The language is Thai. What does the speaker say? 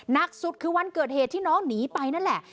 หนักสุดคือวันเกิดเหตุที่น้องหนีไปนั่นแหละ